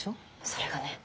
それがね